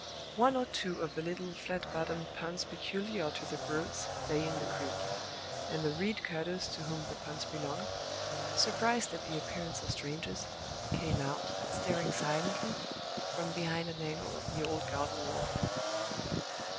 One or two of the little flat bottomed punts peculiar to the Broads lay in the creek; and the reed cutters to whom the punts belonged, surprised at the appearance of strangers, came out, staring silently, from behind an angle of the old garden wall.